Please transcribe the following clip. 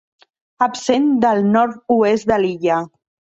Absent del nord-oest de l'illa.